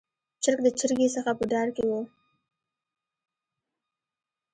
چرګ د چرګې څخه په ډار کې و.